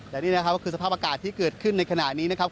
และนี่นะครับก็คือสภาพอากาศที่เกิดขึ้นในขณะนี้นะครับ